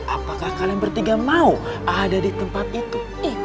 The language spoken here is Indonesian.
apakah kalian bertiga mau ada di tempat itu